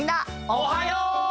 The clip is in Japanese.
おはよう！